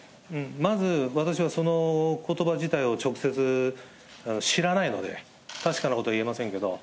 まず私は、そのことば自体を直接知らないので、確かなことは言えませんけれども。